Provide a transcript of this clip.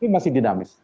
ini masih dinamis